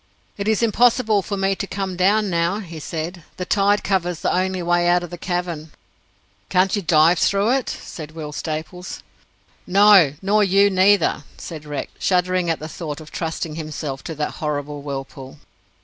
"It is impossible for me to come down now," he said. "The tide covers the only way out of the cavern." "Can't you dive through it?" said Will Staples. "No, nor you neither," said Rex, shuddering at the thought of trusting himself to that horrible whirlpool.